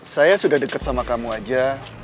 saya sudah dekat sama kamu aja